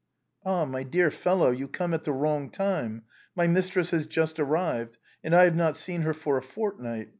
"Ah, my dear fellow, you come at the wrong time. My mistress has just arrived, and I have not seen her for a fortnight.